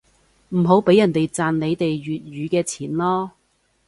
唔好畀人哋賺你哋粵語嘅錢囉